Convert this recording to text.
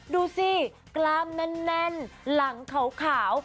ดูสิกล้ามแน่นหลังขาว